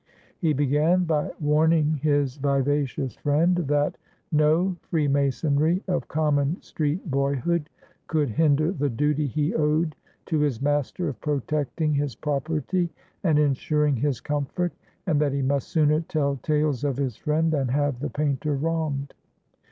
He began by warning his vivacious friend that no freemasonry of common street boyhood could hinder the duty he owed to his master of protecting his property and insuring his comfort, and that he must sooner tell tales of his friend than have the painter wronged.